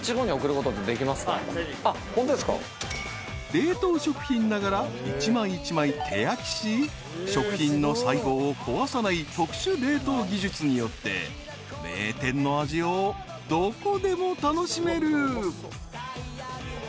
［冷凍食品ながら１枚１枚手焼きし食品の細胞を壊さない特殊冷凍技術によって名店の味をどこでも楽しめる］